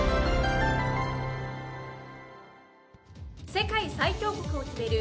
世界最強国を決める